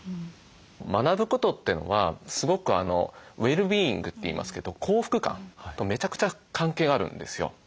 学ぶことってのはすごくウェルビーイングって言いますけど幸福感とめちゃくちゃ関係があるんですよ。